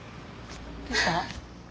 どうした？